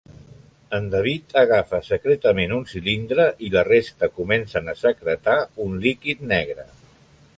En David agafa secretament un cilindre, i la resta comencen a secretar un líquid negre.